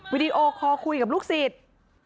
วิดีโอคอลคุยกับลูกศิษย์